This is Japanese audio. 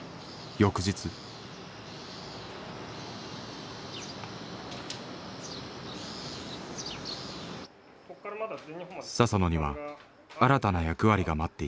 佐々野には新たな役割が待っていた。